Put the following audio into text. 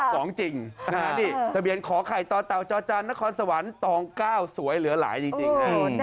ของจริงนี่ทะเบียนขอไข่ต่อเต่าจอจานนครสวรรค์ตอง๙สวยเหลือหลายจริง